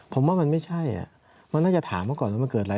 ผมว่ามันไม่ใช่มันน่าจะถามเขาก่อนว่ามันเกิดอะไร